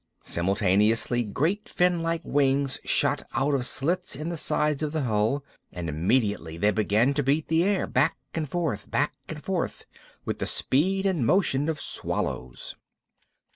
Simultaneously great finlike wings shot out of slits in the sides of the hull; and immediately they began to beat the air, back and forth, back and forth, with the speed and motion of swallows.